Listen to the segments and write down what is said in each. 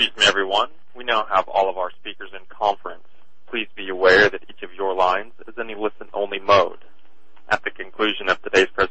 Excuse me, everyone. We now have all of our speakers in conference. Please be aware that each of your lines is in a listen-only mode. At the conclusion of today's presentation,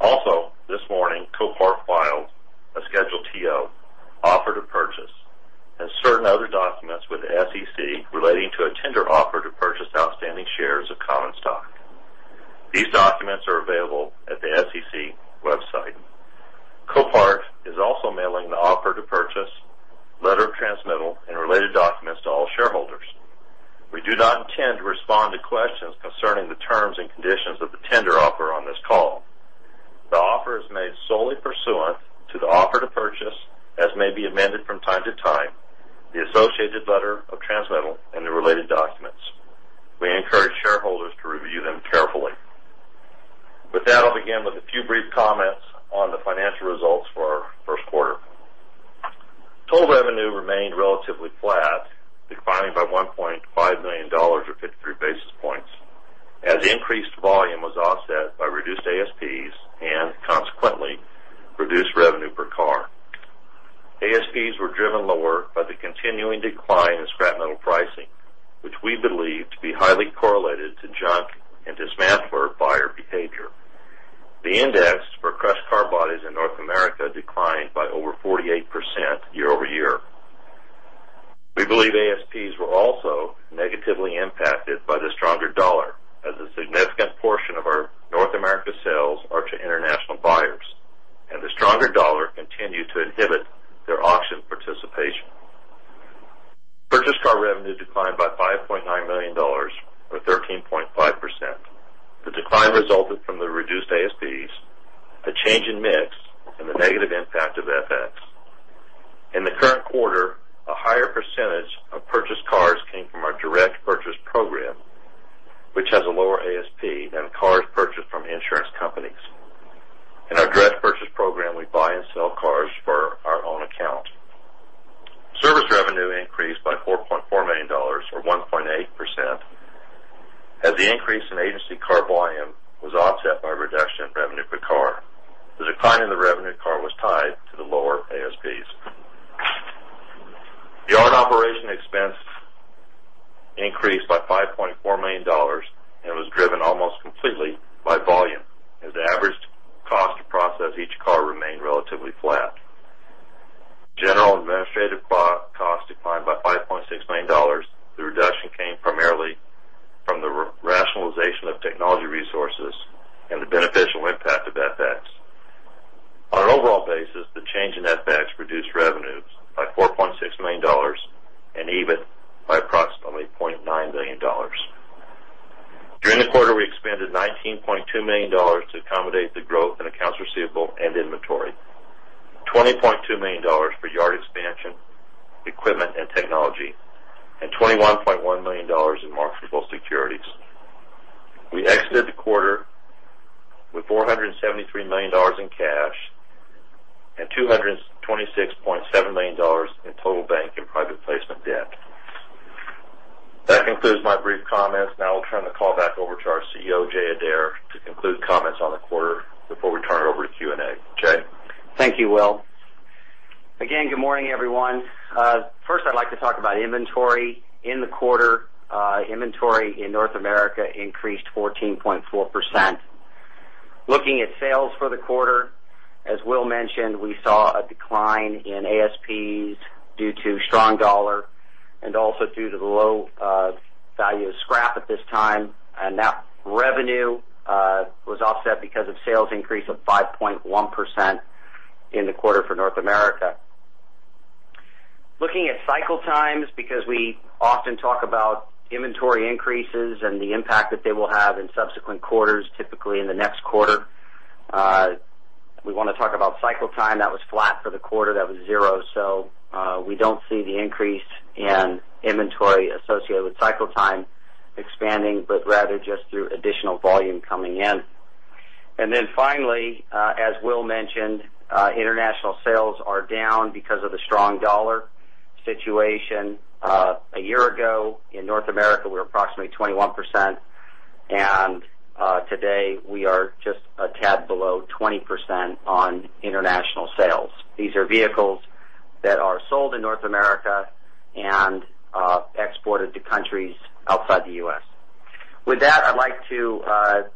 Also, this morning, Copart filed a Schedule TO, offer to purchase, and certain other documents with the SEC relating to a tender offer to purchase outstanding shares of common stock. These documents are available at the SEC website. Copart is also mailing the offer to purchase, letter of transmittal, and related documents to all shareholders. We do not intend to respond to questions concerning the terms and conditions of the tender offer on this call. The offer is made solely pursuant to the offer to purchase, as may be amended from time to time, the associated letter of transmittal, and the related documents. We encourage shareholders to review them carefully. With that, I'll begin with a few brief comments on the financial results for our first quarter. Total revenue remained relatively flat, declining by $1.5 million or 53 basis points, as increased volume was offset by reduced ASPs the increase in agency car volume was offset by a reduction in revenue per car. The decline in the revenue per car was tied to the lower ASPs. The yard operation expense increased by $5.4 million and was driven almost completely by volume as the average cost to process each car remained relatively flat. General administrative costs declined by $5.6 million. The reduction came primarily from the rationalization of technology resources and the beneficial impact of FX. On an overall basis, the change in FX reduced revenues by $4.6 million and EBIT by approximately $0.9 million. During the quarter, we expended $19.2 million to accommodate the growth in accounts receivable and inventory, $20.2 million for yard expansion, equipment, and technology, and $21.1 million in marketable securities. We exited the quarter with $473 million in cash and $226.7 million in total bank and private placement debt. That concludes my brief comments. Now I'll turn the call back over to our CEO, Jay, to conclude comments on the quarter before we turn it over to Q&A. Jay? Thank you, Will. Good morning, everyone. First, I'd like to talk about inventory. In the quarter, inventory in North America increased 14.4%. Looking at sales for the quarter, as Will mentioned, we saw a decline in ASPs due to strong dollar and also due to the low value of scrap at this time. That revenue was offset because of sales increase of 5.1% in the quarter for North America. Looking at cycle times, because we often talk about inventory increases and the impact that they will have in subsequent quarters, typically in the next quarter, we want to talk about cycle time. That was flat for the quarter. That was zero. So we don't see the increase in inventory associated with cycle time expanding, but rather just through additional volume coming in. Finally, as Will mentioned, international sales are down because of the strong dollar situation. A year ago, in North America, we were approximately 21%. Today, we are just a tad below 20% on international sales. These are vehicles that are sold in North America and exported to countries outside the U.S. With that, I'd like to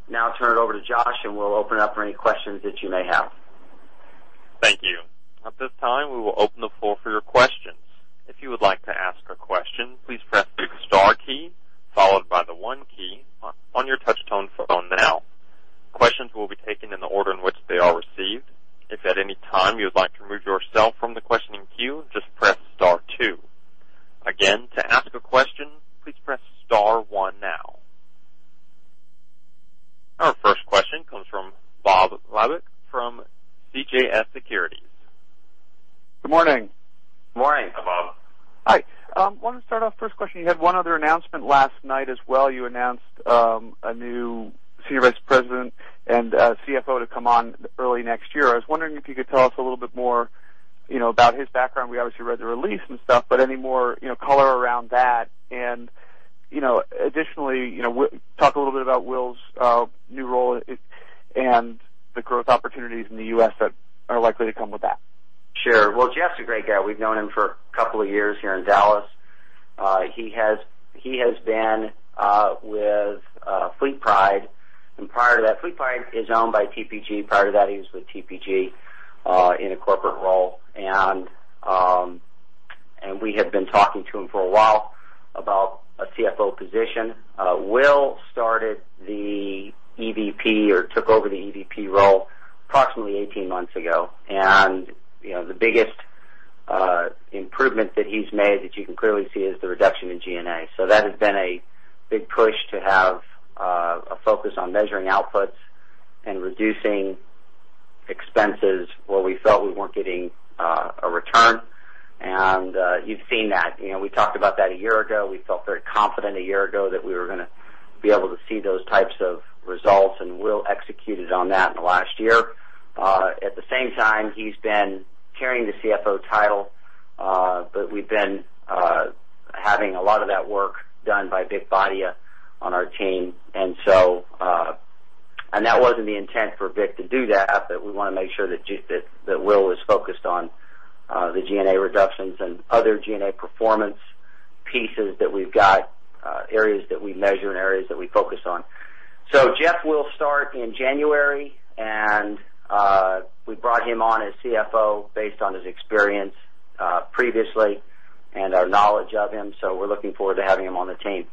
now turn it over to Josh, and we'll open up for any questions that you may have. Thank you. At this time, we will open the floor for your questions. If you would like to ask a question, please press the star key followed by the one key on your touch-tone phone now. Questions will be taken in the order in which they are received. If at any time you would like to remove yourself from the questioning queue, just press star two. Again, to ask a question, please press star one now. Our first question comes from Bob Labick from CJS Securities. Good morning. Morning. Morning, Bob. Hi. I want to start off, first question, you had one other announcement last night as well. You announced a new Senior Vice President and CFO to come on early next year. I was wondering if you could tell us a little bit more about his background. We obviously read the release and stuff, but any more color around that. Additionally, talk a little bit about Will's new role and the growth opportunities in the U.S. that are likely to come with that. Sure. Well, Jeff's a great guy. We've known him for a couple of years here in Dallas. He has been with FleetPride, and prior to that, FleetPride is owned by TPG. Prior to that, he was with TPG in a corporate role. We have been talking to him for a while about a CFO position. Will started the EVP or took over the EVP role approximately 18 months ago. The biggest improvement that he's made that you can clearly see is the reduction in G&A. That has been a big push to have a focus on measuring outputs and reducing expenses where we felt we weren't getting a return. You've seen that. We talked about that a year ago. We felt very confident a year ago that we were going to be able to see those types of results, and Will executed on that in the last year. At the same time, he's been carrying the CFO title, but we've been having a lot of that work done by Vic Bhatia on our team. That wasn't the intent for Vic to do that, but we want to make sure that Will was focused on the G&A reductions and other G&A performance pieces that we've got, areas that we measure and areas that we focus on. Jeff will start in January, and we brought him on as CFO based on his experience previously and our knowledge of him. We're looking forward to having him on the team.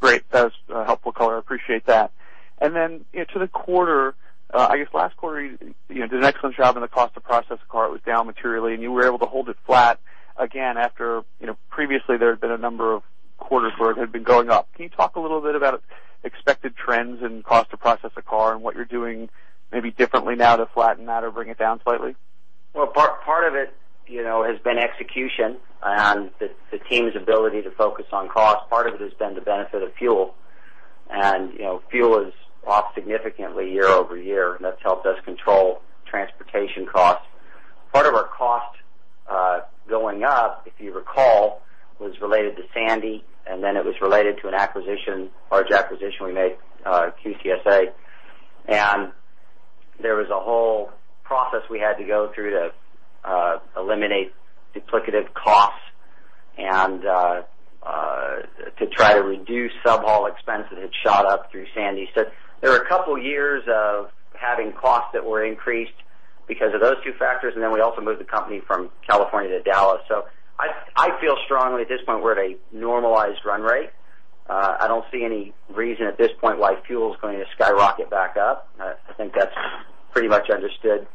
Great. That was a helpful color. I appreciate that. Then to the quarter, I guess last quarter, you did an excellent job in the cost to process a car. It was down materially, and you were able to hold it flat again after previously there had been a number of quarters where it had been going up. Can you talk a little bit about expected trends in cost to process a car and what you're doing maybe differently now to flatten that or bring it down slightly? Well, part of it has been execution and the team's ability to focus on cost. Part of it has been the benefit of fuel. Fuel is off significantly year-over-year, and that's helped us control transportation costs. Part of our cost going up, if you recall, was related to Sandy, and then it was related to a large acquisition we made, QCSA. There was a whole process we had to go through to eliminate duplicative costs and to try to reduce sub-haul expenses that shot up through Sandy. There were a couple of years of having costs that were increased because of those two factors, and then we also moved the company from California to Dallas. I feel strongly at this point we're at a normalized run rate. I don't see any reason at this point why fuel is going to skyrocket back up. I think that's pretty much understood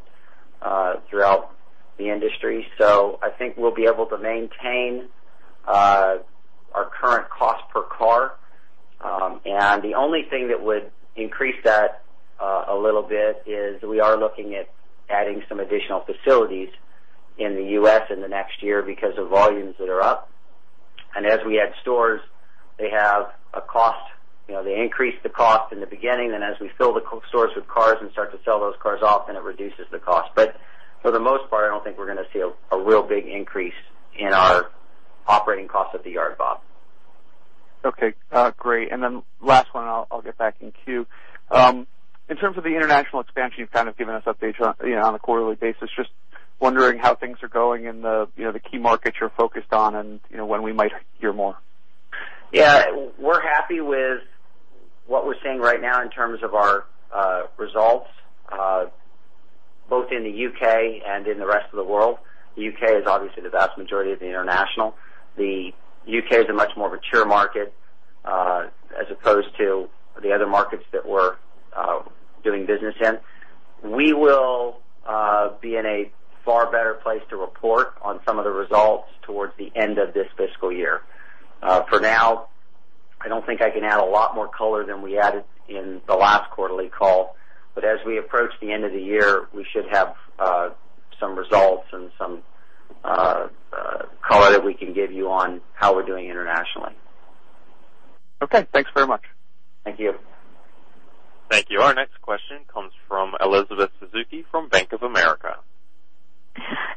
throughout the industry. I think we'll be able to maintain our current cost per car. The only thing that would increase that a little bit is we are looking at adding some additional facilities in the U.S. in the next year because of volumes that are up. As we add stores, they increase the cost in the beginning, and as we fill the stores with cars and start to sell those cars off, then it reduces the cost. For the most part, I don't think we're going to see a real big increase in our operating cost at the yard, Bob. Okay, great. Last one, I'll get back in queue. In terms of the international expansion, you've kind of given us updates on a quarterly basis. Just wondering how things are going in the key markets you're focused on and when we might hear more. Yeah, we're happy with what we're seeing right now in terms of our results, both in the U.K. and in the rest of the world. The U.K. is obviously the vast majority of the international. The U.K. is a much more mature market as opposed to the other markets that we're doing business in. We will be in a far better place to report on some of the results towards the end of this fiscal year. For now, I don't think I can add a lot more color than we added in the last quarterly call. As we approach the end of the year, we should have some results and some color that we can give you on how we're doing internationally. Okay. Thanks very much. Thank you. Thank you. Our next question comes from Elizabeth Suzuki from Bank of America.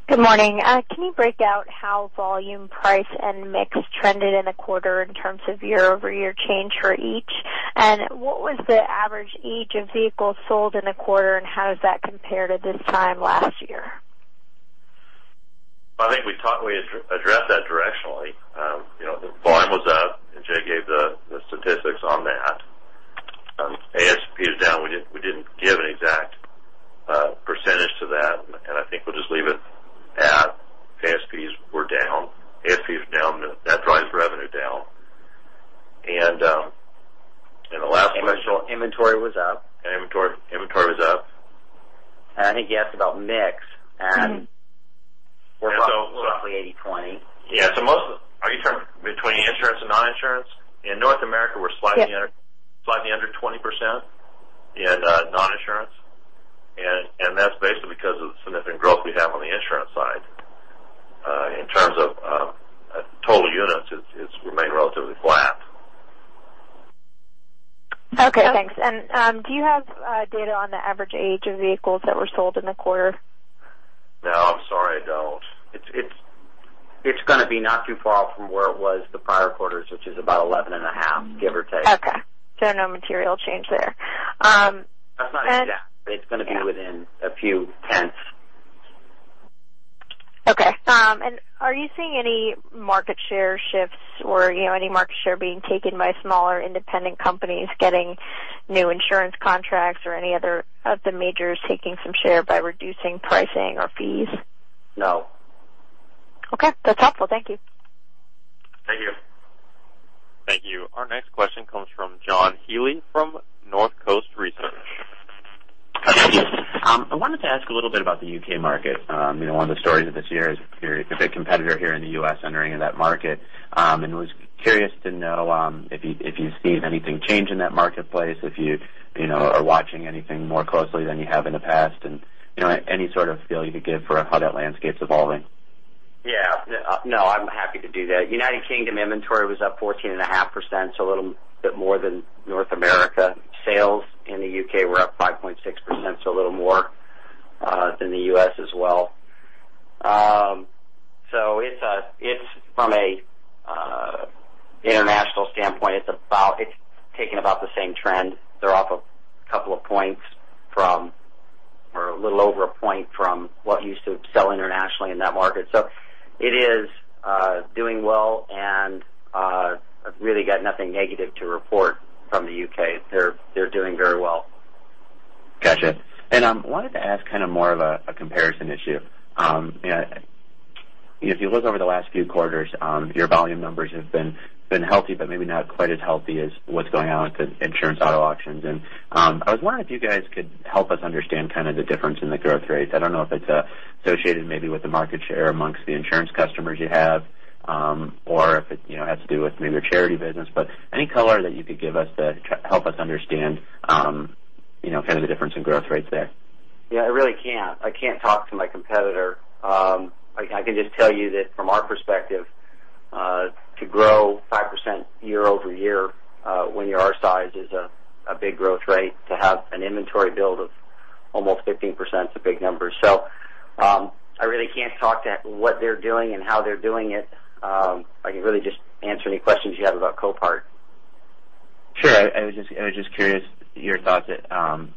Good morning. Can you break out how volume, price, and mix trended in a quarter in terms of year-over-year change for each? What was the average age of vehicles sold in the quarter, and how does that compare to this time last year? I think we addressed that directionally. Volume was up. Jay gave the statistics on that. ASP is down. We didn't give an exact percentage to that, and I think we'll just leave it at ASPs were down. ASP is down. That drives revenue down. The last question. Inventory was up. Inventory was up. I think you asked about mix, and we're roughly 80/20. Yeah. Are you talking between insurance and non-insurance? In North America, we're slightly under 20% in non-insurance, that's basically because of the significant growth we have on the insurance side. In terms of total units, it's remained relatively flat. Okay, thanks. Do you have data on the average age of vehicles that were sold in the quarter? No, I'm sorry, I don't. It's going to be not too far from where it was the prior quarters, which is about 11 and a half, give or take. Okay. No material change there. That's not exact. It's going to be within a few tenths. Okay. Are you seeing any market share shifts or any market share being taken by smaller independent companies getting new insurance contracts or any other of the majors taking some share by reducing pricing or fees? No. Okay. That's helpful. Thank you. Thank you. Thank you. Our next question comes from John Healy from Northcoast Research. I wanted to ask a little bit about the U.K. market. One of the stories of this year is a big competitor here in the U.S. entering into that market. Was curious to know if you've seen anything change in that marketplace, if you are watching anything more closely than you have in the past, and any sort of feel you could give for how that landscape's evolving. Yeah. No, I'm happy to do that. United Kingdom inventory was up 14.5%, so a little bit more than North America. Sales in the U.K. were up 5.6%, so a little more than the U.S. as well. From an international standpoint, it's taking about the same trend. They're off a couple of points from, or a little over a point from what used to sell internationally in that market. It is doing well, and I've really got nothing negative to report from the U.K. They're doing very well. Gotcha. I wanted to ask more of a comparison issue. If you look over the last few quarters, your volume numbers have been healthy, but maybe not quite as healthy as what's going on with the insurance auto auctions. I was wondering if you guys could help us understand the difference in the growth rates. I don't know if it's associated maybe with the market share amongst the insurance customers you have, or if it has to do with maybe your charity business. Any color that you could give us to help us understand the difference in growth rates there. Yeah, I really can't. I can't talk to my competitor. I can just tell you that from our perspective, to grow 5% year-over-year when you're our size is a big growth rate. To have an inventory build of almost 15% is a big number. I really can't talk to what they're doing and how they're doing it. I can really just answer any questions you have about Copart. Sure. I was just curious your thoughts along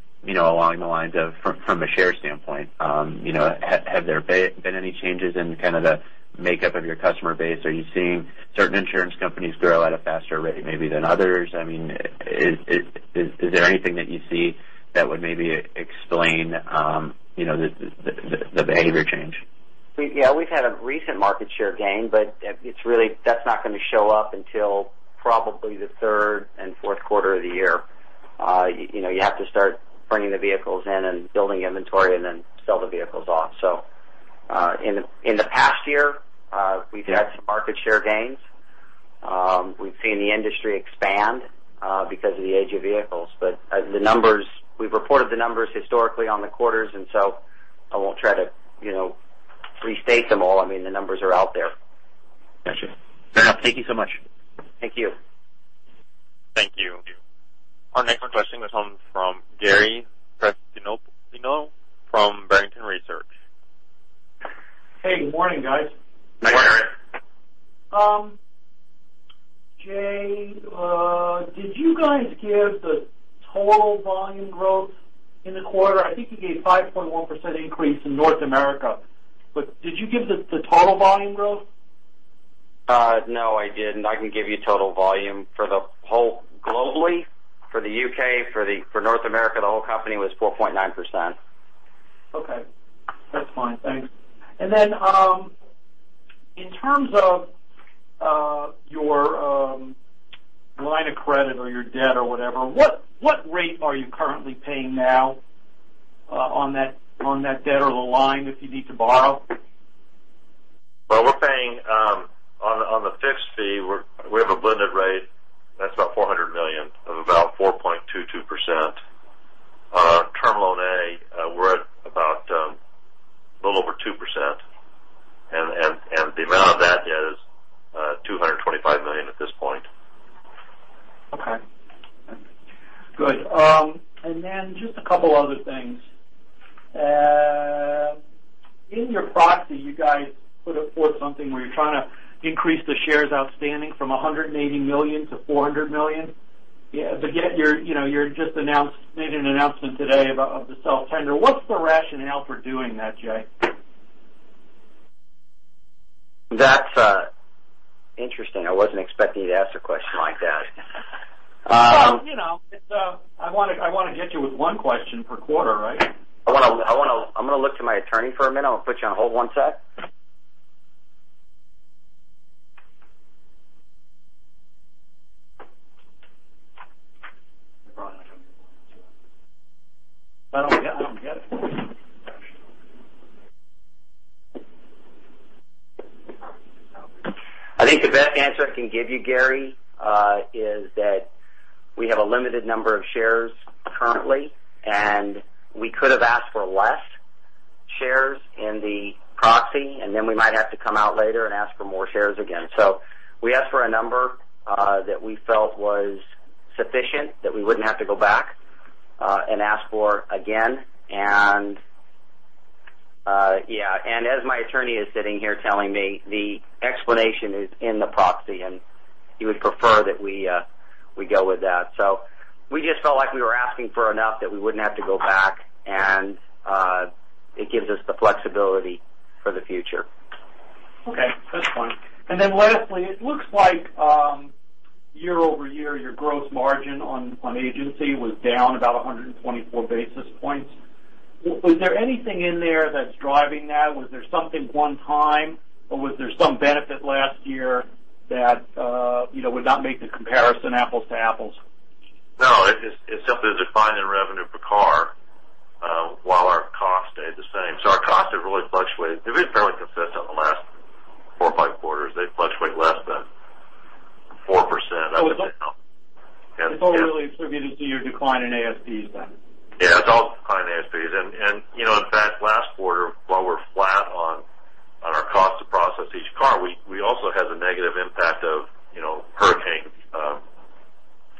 the lines of, from a share standpoint, have there been any changes in the makeup of your customer base? Are you seeing certain insurance companies grow at a faster rate, maybe, than others? Is there anything that you see that would maybe explain the behavior change? Yeah. We've had a recent market share gain, that's not going to show up until probably the third and fourth quarter of the year. You have to start bringing the vehicles in and building inventory, and then sell the vehicles off. In the past year, we've had some market share gains. We've seen the industry expand because of the age of vehicles. We've reported the numbers historically on the quarters, and so I won't try to restate them all. The numbers are out there. Got you. Fair enough. Thank you so much. Thank you. Thank you. Our next question comes from Gary Prestopino from Barrington Research. Hey, good morning, guys. Morning. Jay, did you guys give the total volume growth in the quarter? I think you gave 5.1% increase in North America. Did you give the total volume growth? No, I didn't. I can give you total volume for the whole globally. For the U.K., for North America, the whole company was 4.9%. Okay. That's fine. Thanks. In terms of your line of credit or your debt or whatever, what rate are you currently paying now on that debt or the line if you need to borrow? Well, we're paying on the fixed fee, we have a blended rate that's about $400 million of about 4.22%. Term loan A, we're at about a little over 2%, and the amount of that is $225 million at this point. Okay. Good. Just a couple other things. In your proxy, you guys put forth something where you're trying to increase the shares outstanding from 180 million to 400 million. You just made an announcement today about the self-tender. What's the rationale for doing that, Jay? That's interesting. I wasn't expecting you to ask a question like that. Well, I want to get you with one question per quarter, right? I'm going to look to my attorney for a minute. I'll put you on hold one sec. I don't get it. I think the best answer I can give you, Gary, is that we have a limited number of shares currently, and we could have asked for less shares in the proxy, then we might have to come out later and ask for more shares again. We asked for a number that we felt was sufficient that we wouldn't have to go back and ask for again. As my attorney is sitting here telling me, the explanation is in the proxy, and he would prefer that we go with that. We just felt like we were asking for enough that we wouldn't have to go back, and it gives us the flexibility for the future. Okay, that's fine. Lastly, it looks like year-over-year, your gross margin on agency was down about 124 basis points. Was there anything in there that's driving that? Was there something one-time, or was there some benefit last year that would not make the comparison apples to apples? No, it simply is a decline in revenue per car, while our cost stayed the same. Our cost had really fluctuated. They've been fairly consistent in the last four or five quarters. They fluctuate less than 4%. It's all really attributed to your decline in ASPs then. Yeah, it's all decline in ASPs. In fact, last quarter, while we're flat on our cost to process each car, we also had the negative impact of Hurricane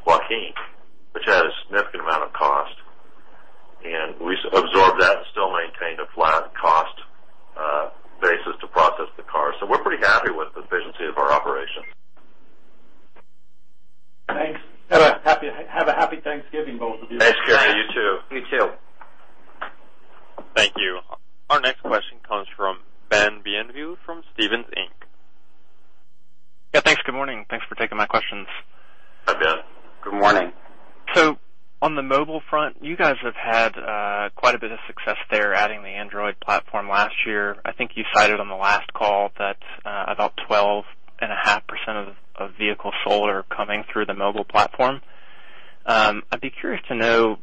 Joaquin, which had a significant amount of cost. We absorbed that and still maintained a flat cost basis to process the car. We're pretty happy with the efficiency of our operations. Thanks. Have a happy Thanksgiving, both of you. Thanks, Gary. You too. You too. Thank you. Our next question comes from Ben Bienvenu from Stephens Inc. Yeah, thanks. Good morning. Thanks for taking my questions. Hi, Ben. Good morning. On the mobile front, you guys have had quite a bit of success there, adding the Android platform last year. I think you cited on the last call that about 12.5% of vehicles sold are coming through the mobile platform. I'd be curious to know,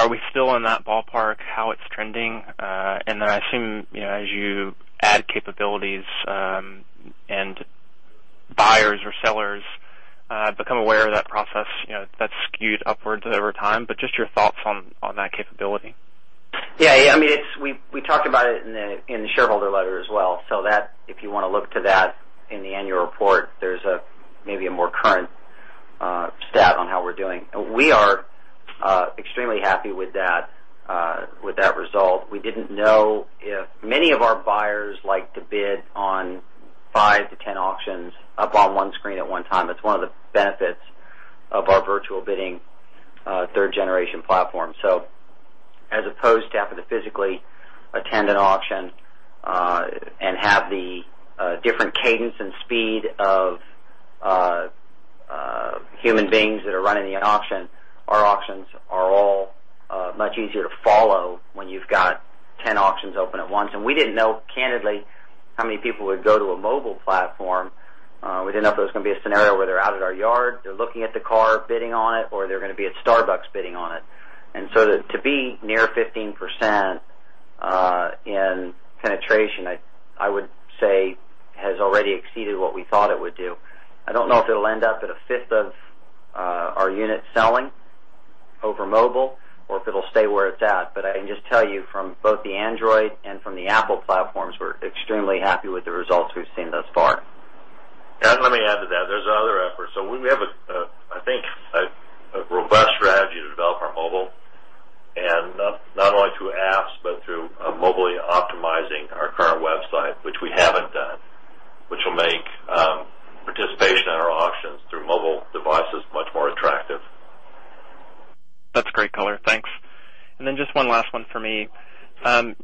are we still in that ballpark, how it's trending? I assume, as you add capabilities, and buyers or sellers become aware of that process, that's skewed upwards over time. Just your thoughts on that capability. Yeah. We talked about it in the shareholder letter as well. That, if you want to look to that in the annual report, there's maybe a more current stat on how we're doing. We are extremely happy with that result. We didn't know if many of our buyers like to bid on 5-10 auctions up on one screen at one time. It's one of the benefits of our virtual bidding third-generation platform. As opposed to having to physically attend an auction and have the different cadence and speed of human beings that are running an auction, our auctions are all much easier to follow when you've got 10 auctions open at once. We didn't know, candidly, how many people would go to a mobile platform. We didn't know if there was going to be a scenario where they're out at our yard, they're looking at the car, bidding on it, or they're going to be at Starbucks bidding on it. To be near 15% in penetration, I would say, has already exceeded what we thought it would do. I don't know if it'll end up at a fifth of our unit selling over mobile, or if it'll stay where it's at. I can just tell you from both the Android and from the Apple platforms, we're extremely happy with the results we've seen thus far. Let me add to that. There's other efforts. We have, I think, a robust strategy to develop our mobile, and not only through apps, but through mobile optimizing our current website, which we haven't done, which will make participation in our auctions through mobile devices much more attractive. That's great color. Thanks. Just one last one for me.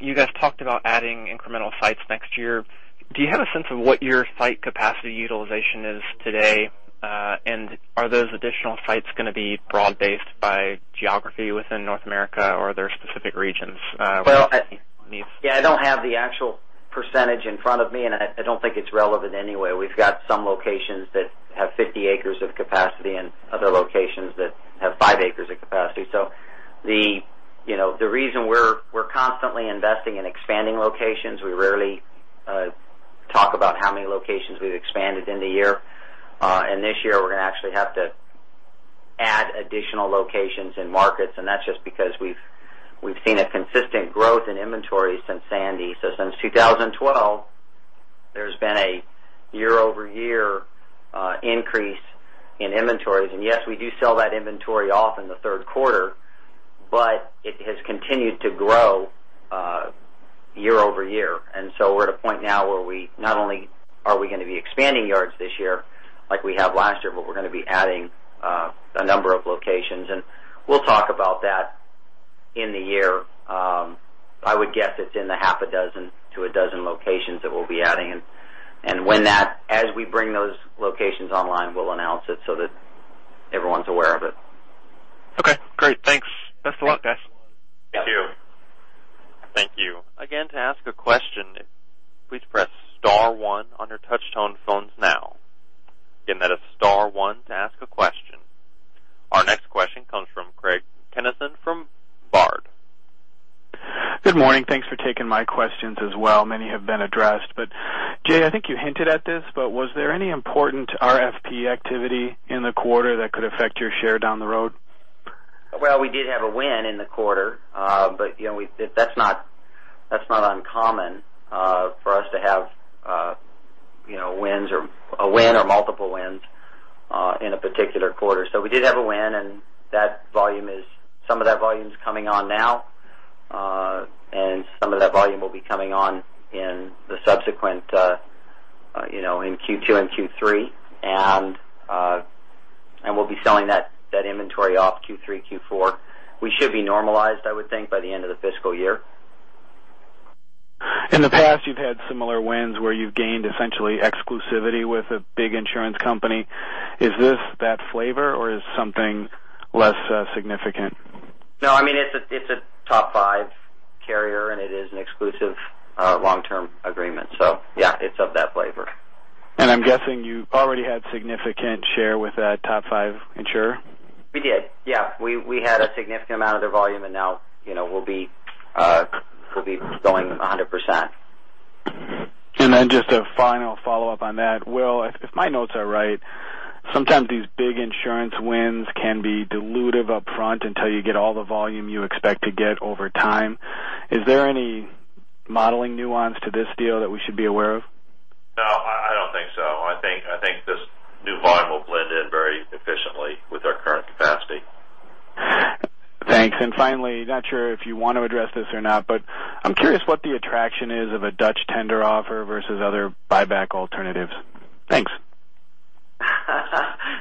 You guys talked about adding incremental sites next year. Do you have a sense of what your site capacity utilization is today? Are those additional sites going to be broad-based by geography within North America, or are there specific regions? Well, I don't have the actual percentage in front of me, and I don't think it's relevant anyway. We've got some locations that have 50 acres of capacity and other locations that have five acres of capacity. The reason we're constantly investing in expanding locations, we rarely talk about how many locations we've expanded in the year. This year, we're going to actually have to add additional locations and markets, and that's just because we've seen a consistent growth in inventory since Hurricane Sandy. Since 2012, there's been a year-over-year increase in inventories. Yes, we do sell that inventory off in the third quarter, but it has continued to grow year-over-year. We're at a point now where not only are we going to be expanding yards this year like we have last year, but we're going to be adding a number of locations. We'll talk about that in the year. I would guess it's in the half a dozen to a dozen locations that we'll be adding. As we bring those locations online, we'll announce it so that everyone's aware of it. Okay, great. Thanks. Best of luck, guys. Thank you. Thank you. Again, to ask a question, please press star one on your touch-tone phones now. Again, that is star one to ask a question. Our next question comes from Craig Kennison from Baird. Good morning. Thanks for taking my questions as well. Many have been addressed. Jay, I think you hinted at this, but was there any important RFP activity in the quarter that could affect your share down the road? Well, we did have a win in the quarter. That's not uncommon for us to have a win or multiple wins in a particular quarter. We did have a win, and some of that volume is coming on now. Some of that volume will be coming on in Q2 and Q3. We'll be selling that inventory off Q3, Q4. We should be normalized, I would think, by the end of the fiscal year. In the past, you've had similar wins where you've gained essentially exclusivity with a big insurance company. Is this that flavor or is something less significant? No, it's a top 5 carrier, and it is an exclusive long-term agreement. Yeah, it's of that flavor. I'm guessing you already had significant share with that top 5 insurer. We did, yeah. We had a significant amount of their volume, and now we'll be going 100%. Just a final follow-up on that. Will, if my notes are right, sometimes these big insurance wins can be dilutive upfront until you get all the volume you expect to get over time. Is there any modeling nuance to this deal that we should be aware of? No, I don't think so. I think this new volume will blend in very efficiently with our current capacity. Thanks. Finally, not sure if you want to address this or not, but I'm curious what the attraction is of a Dutch tender offer versus other buyback alternatives. Thanks.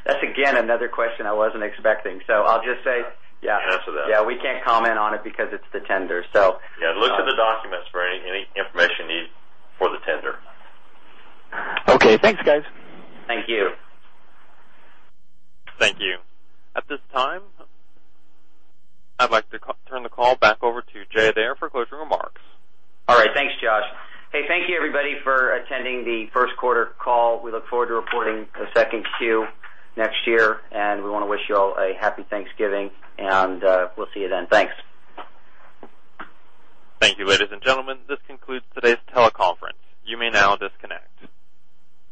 That's again another question I wasn't expecting. Can't answer that. Yeah, we can't comment on it because it's the tender. Yeah, look to the documents for any information you need for the tender. Okay, thanks, guys. Thank you. Thank you. At this time, I'd like to turn the call back over to Jay Adair for closing remarks. All right. Thanks, Josh. Hey, thank you everybody for attending the first quarter call. We look forward to reporting the second Q next year. We want to wish you all a Happy Thanksgiving, and we'll see you then. Thanks. Thank you, ladies and gentlemen. This concludes today's teleconference. You may now disconnect.